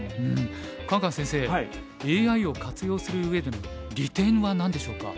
カンカン先生ＡＩを活用する上での利点は何でしょうか。